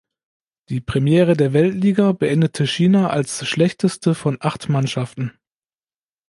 Die Premiere der Weltliga beendete China als schlechteste von acht Mannschaften.